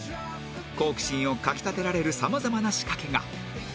好奇心をかき立てられるさまざまな仕掛けが